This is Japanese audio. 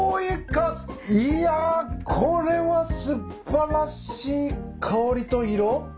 いやこれは素晴らしい香りと色。